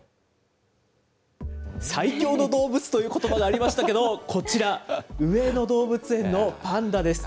最強の動物ということばがありましたけど、こちら、上野動物園のパンダです。